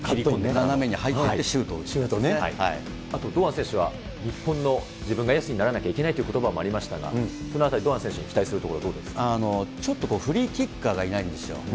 斜めに入ってシュートを打つあと、堂安選手は日本の自分がエースにならなければいけないということばもありましたが、そのあたり、堂安選手に期待するところ、ちょっとフリーキッカーがいないんですよ。